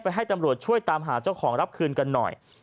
ให้ตำรวจช่วยตามหาเจ้าของรับคืนกันหน่อย